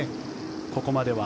ここまでは。